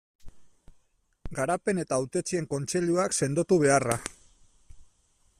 Garapen eta Hautetsien kontseiluak sendotu beharra.